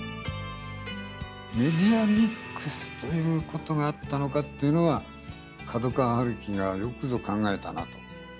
メディアミックスということがあったのかっていうのは角川春樹がよくぞ考えたなと。